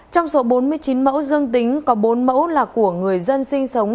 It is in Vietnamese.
trong số bốn mươi chín mẫu dương tính có bốn mẫu là của người dân sinh sống